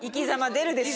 出るでしょ？